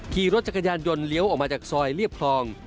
ขี่รถจักรยานยนต์เลี้ยวออกมาจากซอยเรียบคลอง